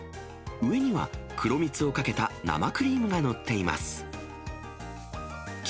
上には黒蜜をかけた生クリームが載っています。